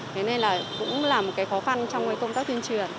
thế nên là cũng là một cái khó khăn trong cái công tác tuyên truyền